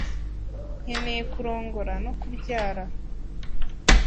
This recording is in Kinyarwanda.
nkeneye kurongora no kubyara.